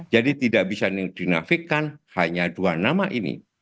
jadi tidak bisa dinafikan hanya dua nama ini